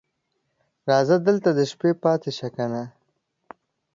راځه دلته د شپې پاتې شه کنه